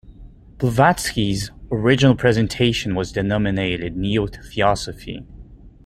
Blavatsky's original presentation was denominated Neo-Theosophy.